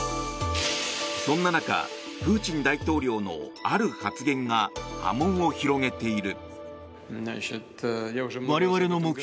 そんな中、プーチン大統領のある発言が波紋を広げている。